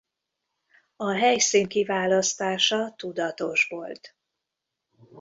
A helyszín kiválasztása tudatos volt.